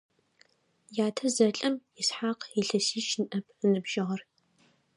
Ятэ зэлӀэм Исхьакъ илъэсищ ныӀэп ыныбжьыгъэр.